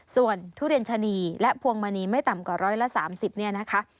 ส่วนทุเรียนชะนีและพวงมณีไม่ต่ำกว่า๑๓๐เนี่ยนะคะ